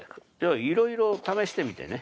いろいろ試してみてね